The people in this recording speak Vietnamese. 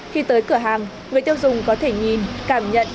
khi tới cửa hàng người tiêu dùng có thể nhìn cảm nhận